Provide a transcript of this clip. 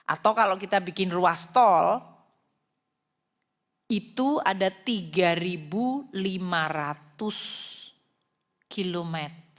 atau kalau kita bikin ruas tol itu ada tiga lima ratus km